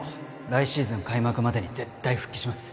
来シーズン開幕までに絶対復帰します